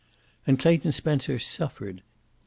And Clayton Spencer suffered.